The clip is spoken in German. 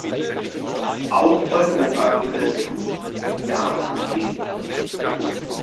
Auch Europa wird es tun und Japan ebenfalls.